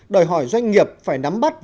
đòi hỏi doanh nghiệp phải nắm bắt